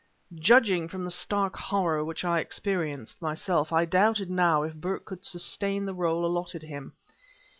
Judging from the stark horror which I experienced, myself, I doubted, now, if Burke could sustain the role allotted him.